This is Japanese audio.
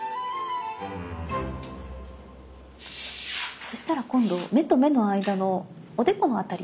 そしたら今度目と目の間のおでこの辺り。